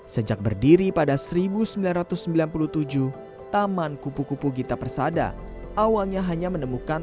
sejak berdiri pada seribu sembilan ratus sembilan puluh tujuh taman kupu kupu gita persada awalnya hanya menemukan